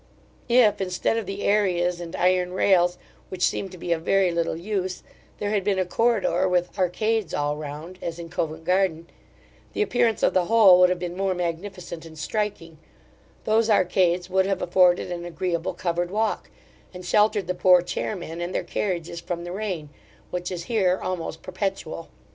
If, instead of the areas and iron rails, which seem to be of very little use, there had been a corridore with arcades all round, as in Covent garden, the appearance of the whole would have been more magnificent and striking; those arcades would have afforded an agreeable covered walk, and sheltered the poor chairmen and their carriages from the rain, which is here almost perpetual.